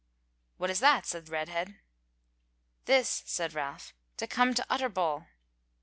"What is that?" said Redhead. "This," said Ralph, "to come to Utterbol."